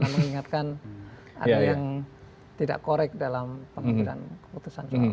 karena mengingatkan ada yang tidak correct dalam pemimpinan keputusan